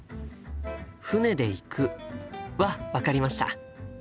「船で行く」は分かりました。